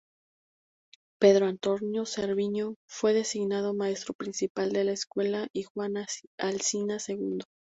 Pedro Antonio Cerviño fue designado maestro principal de la escuela y Juan Alsina, segundo.